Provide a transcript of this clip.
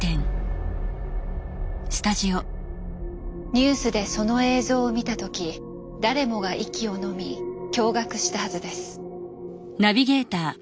ニュースでその映像を見た時誰もが息をのみ驚がくしたはずです。